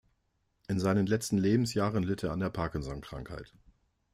In seinen letzten Lebensjahren litt er an der Parkinson-Krankheit.